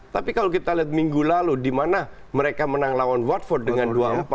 tapi kalau kita lihat minggu lalu di mana mereka menang lawan watford dengan dua empat